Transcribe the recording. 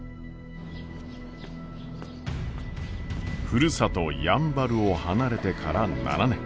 ふるさとやんばるを離れてから７年。